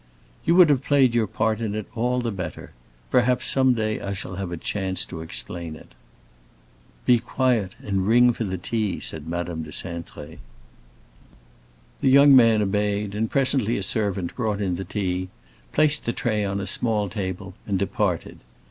"You would have played your part in it all the better. Perhaps some day I shall have a chance to explain it." "Be quiet, and ring for the tea," said Madame de Cintré. The young man obeyed, and presently a servant brought in the tea, placed the tray on a small table, and departed.